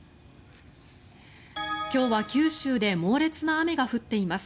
今日は九州で猛烈な雨が降っています。